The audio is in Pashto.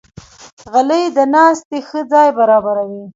غلۍ د ناستې ښه ځای برابروي.